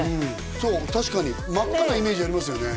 確かに真っ赤なイメージありますよね